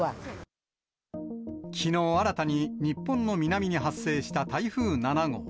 きのう、新たに日本の南に発生した台風７号。